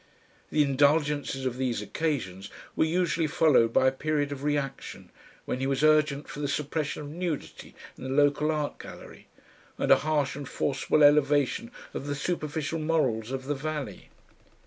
The indulgences of these occasions were usually followed by a period of reaction, when he was urgent for the suppression of nudity in the local Art Gallery and a harsh and forcible elevation of the superficial morals of the valley.